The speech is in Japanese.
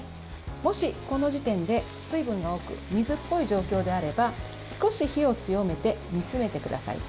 もし、この時点で水分が多く水っぽい状況であれば少し火を強めて煮詰めてください。